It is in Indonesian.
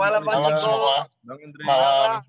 selamat malam livi selamat malam pak jiko